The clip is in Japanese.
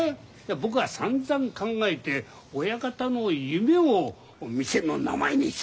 僕はさんざん考えて親方の夢を店の名前にしたんだ。